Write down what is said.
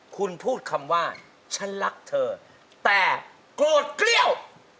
คุณพูดคำว่าฉันรักเธอแต่โกรธเกลี้ยว